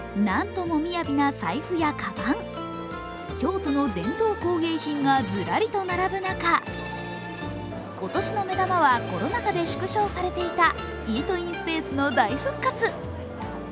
なんともみやびな財布やかばん、京都の伝統工芸品がズラリと並ぶ中、今年の目玉は、コロナ禍で縮小されていたイートインスペースの大復活。